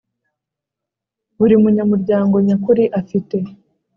buri munyamuryango nyakuri afite